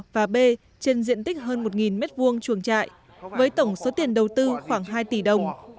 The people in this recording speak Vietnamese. và bê trên diện tích hơn một mét vuông chuồng trại với tổng số tiền đầu tư khoảng hai tỷ đồng